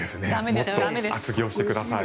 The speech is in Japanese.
もっと厚着をしてください。